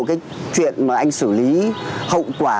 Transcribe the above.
cái chuyện mà anh xử lý hậu quả